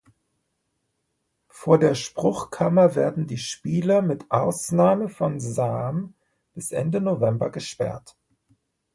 Vor der Spruchkammer werden die Spieler mit Ausnahme von Sahm bis Ende November gesperrt.